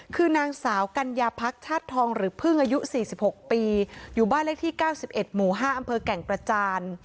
คือนางสาวกัญญาพักชาติทองหรือพึ่งอายุ๔๖ปีอยู่บ้านเลขที่๙๑หมู่๕อำเภอแก่งกระจาน